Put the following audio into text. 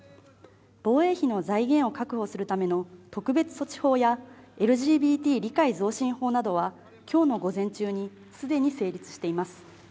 防衛費の財源を確保するための特別措置法や、ＬＧＢＴ理解増進法などは今日の午前中に既に成立しています。